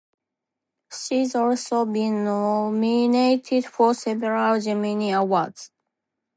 She's also been nominated for several Gemini Awards.